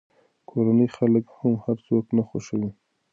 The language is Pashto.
کورني خلک هم هر څوک نه خوښوي.